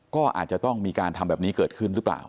ก็อาจจะต้องมีการทำแบบนี้เกิดขึ้นหรือเปล่า